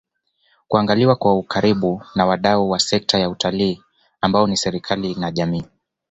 kuangaliwa kwa ukaribu na wadau wa sekta ya Utalii ambao ni serikali na jamii